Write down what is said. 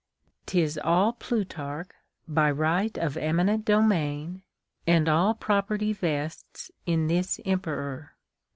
'Tis all Plutarch, bv right of eminent domain, and all property vests in this emperor.